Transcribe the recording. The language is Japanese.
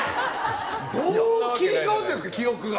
どう切り替わってるんですか記憶が。